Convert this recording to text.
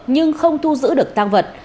nhưng không thu giữ được tăng vật